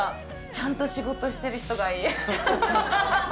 ちゃんと仕事してる人がいい。